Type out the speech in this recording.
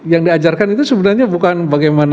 yang diajarkan itu sebenarnya bukan bagaimana